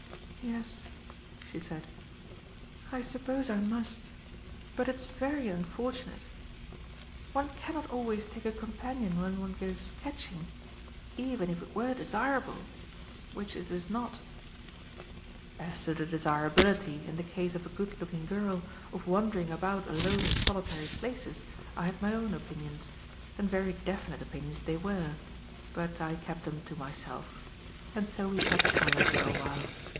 "Yes," she said. "I suppose I must, but it's very unfortunate. One cannot always take a companion when one goes sketching even if it were desirable, which it is not." As to the desirability, in the case of a good looking girl, of wandering about alone in solitary places, I had my own opinions; and very definite opinions they were. But I kept them to myself. And so we sat silent for awhile.